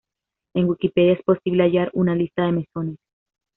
En Wikipedia, es posible hallar una lista de mesones.